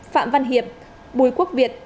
phạm văn hiệp bùi quốc việt